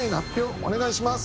お願いします。